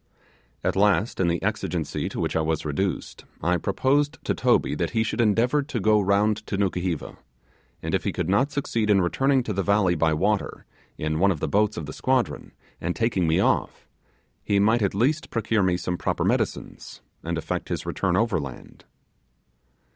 At last, in the exigency to which I was reduced, I proposed to Toby that he should endeavour to go round to Nukuheva, and if he could not succeed in returning to the valley by water, in one of the boats of the squadron, and taking me off, he might at least procure me some proper medicines, and effect his return overland.